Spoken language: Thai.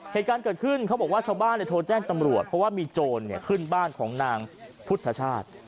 เหตุการณ์เกิดขึ้นเขาบอกว่าชาวบ้านโทรแจ้งตำรวจเพราะว่ามีโจรขึ้นบ้านของนางพุทธชาติ